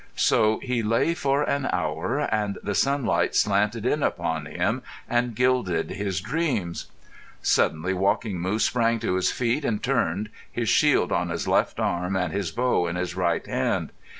So he lay for an hour, and the sunlight slanted in upon him and gilded his dreams. Suddenly Walking Moose sprang to his feet and turned, his shield on his left arm and his bow in his right hand.